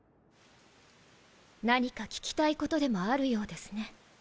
何か聞きたいことでもあるようですね。